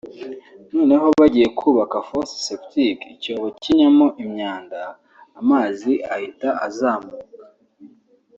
noneho bagiye kubaka fosse septique (icyobo kinyamo imyanda) amazi ahita azamuka